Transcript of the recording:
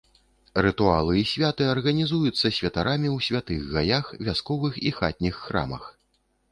Рытуалы і святы арганізуюцца святарамі ў святых гаях, вясковых і хатніх храмах.